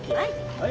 はい。